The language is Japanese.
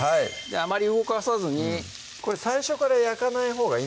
あまり動かさずにこれ最初から焼かないほうがいいんです？